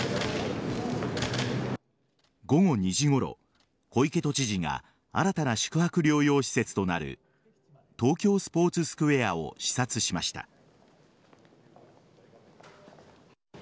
午後２時ごろ小池都知事が新たな宿泊療養施設となる東京スポーツスクエアを視察しました。